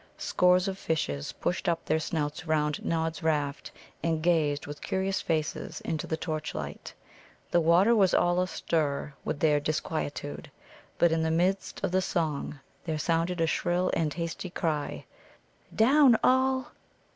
Scores of fishes pushed up their snouts round Nod's raft, and gazed with curious faces into the torchlight. The water was all astir with their disquietude. But in the midst of the song there sounded a shrill and hasty cry: "Down all!"